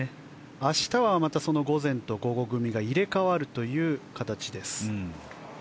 明日はまた午前と午後組が入れ替わる形です。